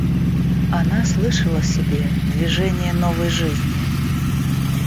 Она слышала в себе движение новой жизни.